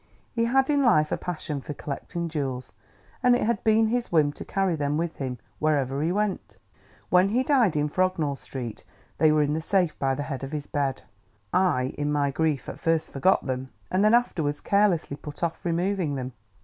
He had in life a passion for collecting jewels, and it had been his whim to carry them with him, wherever he went. When he died in Frognall Street, they were in the safe by the head of his bed. I, in my grief, at first forgot them, and then afterwards carelessly put off removing them.